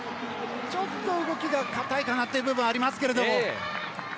ちょっと動きがかたいかなという部分はありますけど。